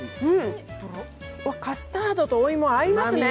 カスタードとお芋、合いますね。